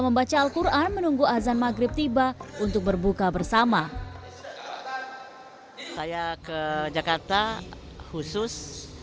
membaca al quran menunggu azan maghrib tiba untuk berbuka bersama saya ke jakarta khusus